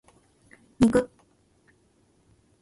肉